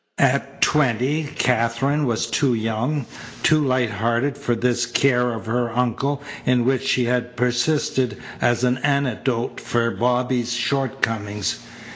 At twenty Katherine was too young, too light hearted for this care of her uncle in which she had persisted as an antidote for Bobby's shortcomings.